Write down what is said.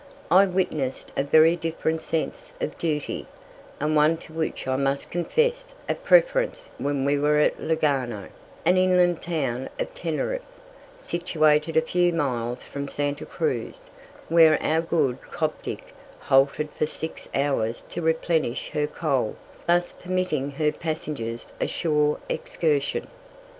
I witnessed a very different sense of duty, and one to which I must confess a preference when we were at Lugano, an inland town of Teneriffe, situated a few miles from Santa Cruz, where our good "Coptic" halted for six hours to replenish her coal, thus permitting her passengers a shore excursion.